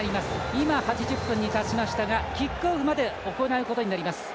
今、８０分に達しましたがキックオフまで行うことになります。